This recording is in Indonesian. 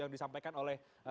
kementerian dalam negara